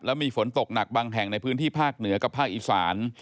มีฝนตกหนักบางแห่งในพื้นที่ภาคเหนือกับภาคอีสาน